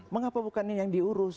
mengapa bukan ini yang diurus